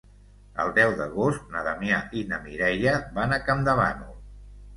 El deu d'agost na Damià i na Mireia van a Campdevànol.